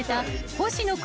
星野君。